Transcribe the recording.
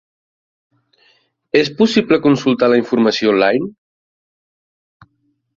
És possible consultar la informació online?